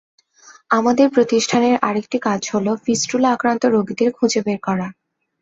আমাদের প্রতিষ্ঠানের আরেকটি কাজ হলো ফিস্টুলা আক্রান্ত রোগীদের খুঁজে বের করা।